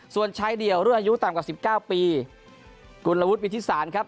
ส่วนชายเดี่ยวรุ่นอายุต่ำกว่าสิบเก้าปีกุลวุฒิวิทธิสารครับ